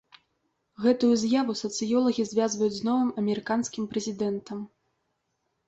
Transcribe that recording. Гэтую з'яву сацыёлагі звязваюць з новым амерыканскім прэзідэнтам.